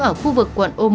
ở khu vực quận ô môn tp hcm